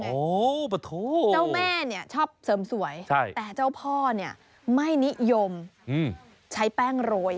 เจ้าแม่ชอบเสริมสวยแต่เจ้าพ่อไม่นิยมใช้แป้งโรย